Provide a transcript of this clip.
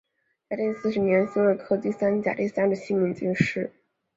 嘉靖四十年辛未科第三甲第三十七名进士。